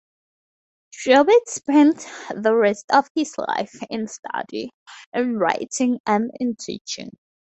Jaubert spent the rest of his life in study, in writing and in teaching.